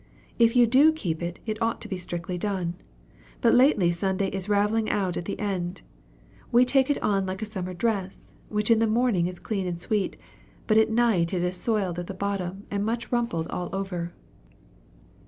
If you do keep it, it ought to be strictly done. But lately Sunday is raveling out at the end. We take it on like a summer dress, which in the morning is clean and sweet, but at night it is soiled at the bottom and much rumpled all over."